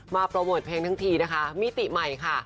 โปรโมทเพลงทั้งทีนะคะมิติใหม่ค่ะ